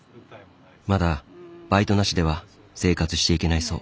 まだバイトなしでは生活していけないそう。